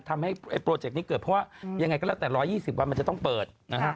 ทำให้โปรเจกต์นี้เกิดเพราะว่ายังไงก็แล้วแต่๑๒๐วันมันจะต้องเปิดนะฮะ